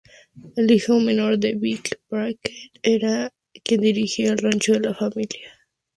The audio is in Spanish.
El hijo menor Nick Barkley era quien dirigía el rancho de la familia.